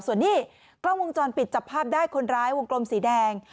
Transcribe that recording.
ส่วนนี้กล้องวงจรปิดจับภาพได้คนร้ายวงกลมสีแดง